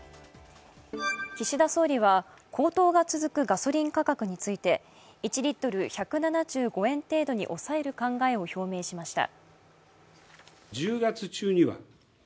岸田総理は高騰が続くガソリン価格について１リットル＝１７５円程度に抑える考えを表明しました。